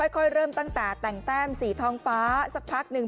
ค่อยเริ่มตั้งแต่แต่งแต้มสีทองฟ้าสักพักหนึ่ง